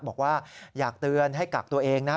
บอกว่าอยากเตือนให้กักตัวเองนะครับ